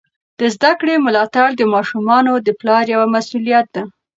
د زده کړې ملاتړ د ماشومانو د پلار یوه مسؤلیت ده.